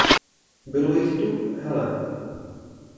Bylo jich tu, Heleno.